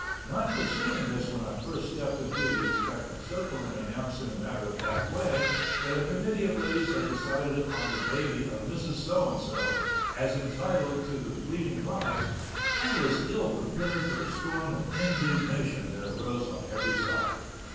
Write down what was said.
Not foreseeing this when I first stepped into the expectant circle and announced in a matter of fact way that a committee of ladies had decided upon the baby of Mrs. So and So as entitled to the leading prize, I was ill prepared for the storm of indignation that arose on every side.